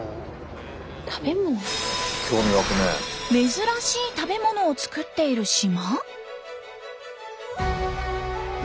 珍しい食べ物をつくっている島？